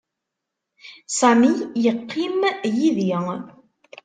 Sami yeqqim yid-i.